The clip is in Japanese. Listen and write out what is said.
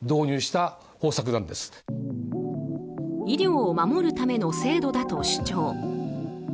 医療を守るための制度だと主張。